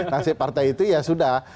nasib partai itu ya sudah